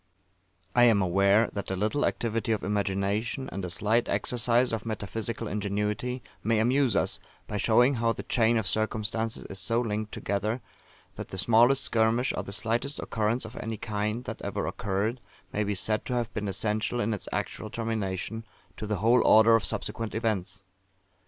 I am aware that a little activity of imagination, and a slight exercise of metaphysical ingenuity, may amuse us, by showing how the chain of circumstances is so linked together, that the smallest skirmish, or the slightest occurrence of any kind, that ever occurred, may be said to have been essential, in its actual termination, to the whole order of subsequent events.